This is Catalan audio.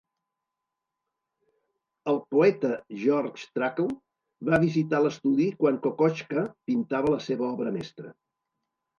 El poeta Georg Trakl va visitar l'estudi quan Kokoschka pintava la seva obra mestra.